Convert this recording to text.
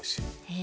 え。